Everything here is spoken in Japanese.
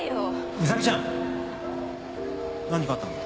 美咲ちゃん。何かあったの？